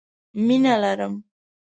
مينه لرم